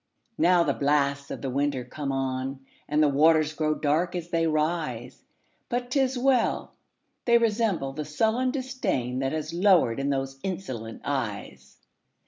Now the blasts of the winter come on, And the waters grow dark as they rise! But 't is well!—they resemble the sullen disdainThat has lowered in those insolent eyes.